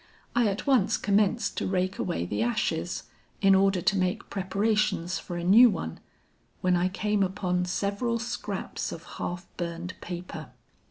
I at once commenced to rake away the ashes, in order to make preparations for a new one, when I came upon several scraps of half burned paper.